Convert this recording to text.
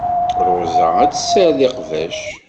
Ṛuza ur tessared iqbac.